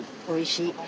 おいしい。